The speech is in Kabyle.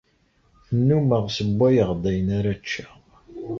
Nnumeɣ ssewwayeɣ-d ayen ara ččeɣ.